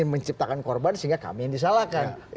menciptakan korban sehingga kami yang disalahkan